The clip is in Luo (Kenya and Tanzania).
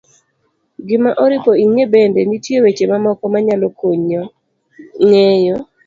gima oripo ing'e bende, nitie weche mamoko ma nyalo konyi ng'eyo